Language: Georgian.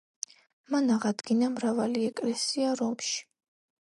მან აღადგინა მრავალი ეკლესია რომში.